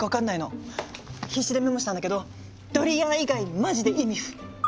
必死でメモしたんだけどドリアン以外マジでイミフ！